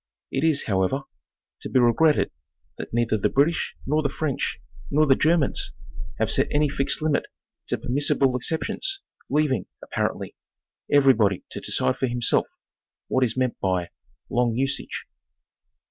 It is, however, to be regretted that neither the British, nor the French, nor the Germans have set any fixed limit to permissible excep tions, leaving, apparently, everybody to decide for himself what is meant by "long usage."